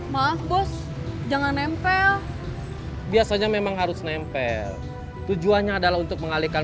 maaf bos jangan nempel biasanya memang harus nempel tujuannya adalah untuk mengalihkan